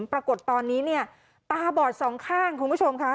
ปรากฏตอนนี้เนี่ยตาบอดสองข้างคุณผู้ชมค่ะ